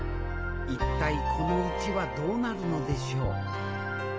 一体このうちはどうなるのでしょう？